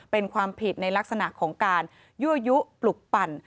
เป็นความผิดในลักษณะของการยั่วยุปลุกปั่น